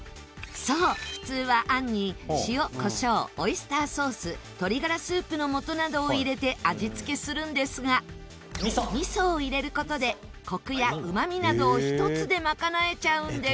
そう普通は餡に塩胡椒オイスターソース鶏がらスープの素などを入れて味付けするんですが味噌を入れる事でコクやうまみなどを１つで賄えちゃうんです。